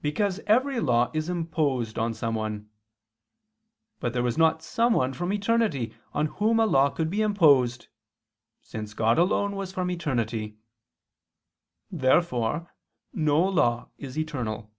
Because every law is imposed on someone. But there was not someone from eternity on whom a law could be imposed: since God alone was from eternity. Therefore no law is eternal.